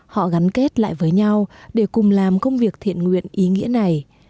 họ gắn kết lại với nhau để cùng làm công việc thiện nguyện ý nghĩa này